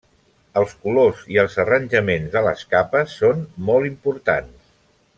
Els colors i els arranjaments de les capes són molt importants.